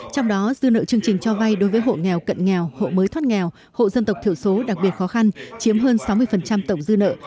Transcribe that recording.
trong đó dư nợ chương trình cho vay đối với hộ nghèo cận nghèo hộ mới thoát nghèo hộ dân tộc thiểu số đặc biệt khó khăn chiếm hơn sáu mươi tổng dư nợ